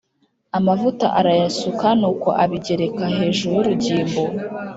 amavuta arayasuka Nuko abigereka hejuru y urugimbu